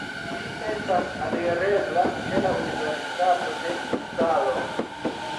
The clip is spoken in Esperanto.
Ĝi estas alirebla ĉe la universitato de Upsalo.